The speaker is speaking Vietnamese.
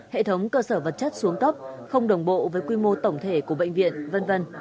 hệ thống cơ sở vật chất xuống cấp không đồng bộ với quy mô tổng thể của bệnh viện v v